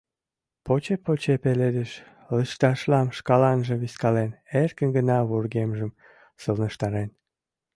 Поче-поче пеледыш лышташлам шкаланже вискален, эркын гына вургемжым сылнештарен.